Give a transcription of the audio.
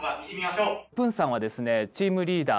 プンさんはですねチームリーダー。